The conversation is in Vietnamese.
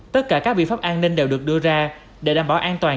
tất cả các biện pháp an ninh đều được đưa ra để đảm bảo an toàn